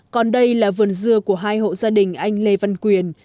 còn đây là vườn dưa của hai hộ gia đình anh lê văn quyền